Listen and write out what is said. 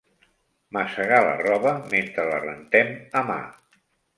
Masegar la roba mentre la rentem a mà.